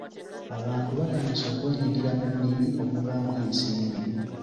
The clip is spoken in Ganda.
Abantu batandise okwenyigira mu bulimi obuvaamu ensimbi.